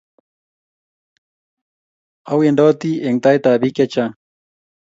Awendoti eng tait ab bik che chaang